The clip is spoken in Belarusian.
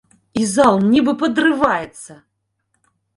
І зал нібы падрываецца!